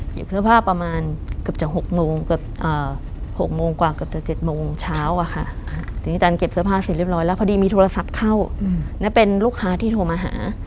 เสื้อผ้าประมาณเกือบจะ๖โมงเกือบ๖โมงกว่าเกือบจะ๗โมงเช้าอะค่ะทีนี้ตันเก็บเสื้อผ้าเสร็จเรียบร้อยแล้วพอดีมีโทรศัพท์เข้าและเป็นลูกค้าที่โทรมาหา